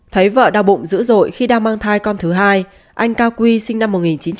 thấy vợ đau bụng dữ dội khi đang mang thai con thứ hai anh cao quy sinh năm một nghìn chín trăm tám mươi